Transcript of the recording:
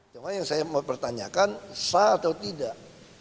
cuma yang saya mau pertanyakan sah atau tidak